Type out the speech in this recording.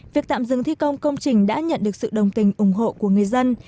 việc tạm dừng thi công công trình đã nhận được sự đồng tình ủng hộ của người dân